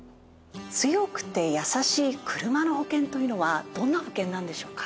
「強くてやさしいクルマの保険」というのはどんな保険なんでしょうか？